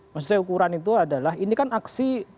maksudnya ukuran itu adalah ini kan aksi